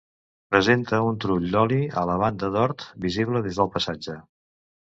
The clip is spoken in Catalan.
Presenta un trull d'oli a la banda d'hort, visible des del passatge.